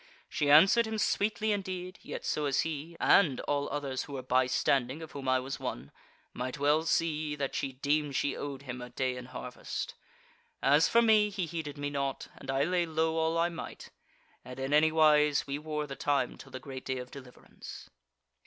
She answered him sweetly indeed, yet so as he (and all others who were bystanding, of whom I was one,) might well see that she deemed she owed him a day in harvest. As for me, he heeded me naught, and I lay low all I might. And in any wise we wore the time till the great day of deliverance."